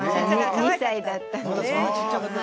２歳だったので。